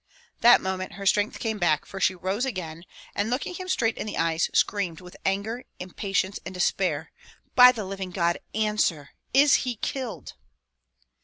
That moment her strength came back; for she rose again, and looking him straight in the eyes, screamed with anger, impatience, and despair: "By the living God, answer! Is he killed?"